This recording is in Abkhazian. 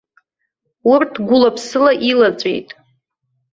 Урҭ гәыла-ԥсыла илаҵәеит.